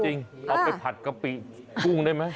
เอาไปผัดกะปิกุ้งได้ไหม